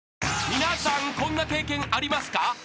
［皆さんこんな経験ありますか？］